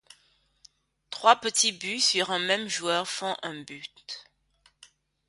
Trois petits buts sur un même joueur font un but.